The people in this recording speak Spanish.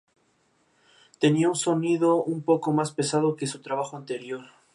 Tenía un sonido un poco más pesado que su trabajo anterior.